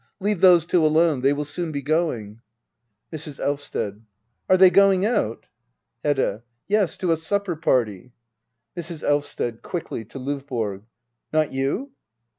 Leave those two alone. They will soon be going. Mrs. Elvsted. Are they going out ? Hedda. Yes, to a supper party. Mrs. Elvsted. [Qmckly, to LOvBORG.] Not you.''